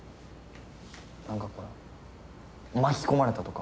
なんかほら巻き込まれたとか？